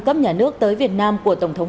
cấp nhà nước tới việt nam của tổng thống